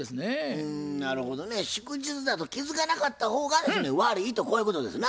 うんなるほどね。祝日だと気付かなかった方がですね悪いとこういうことですな。